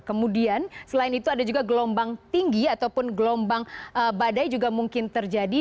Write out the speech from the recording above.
kemudian selain itu ada juga gelombang tinggi ataupun gelombang badai juga mungkin terjadi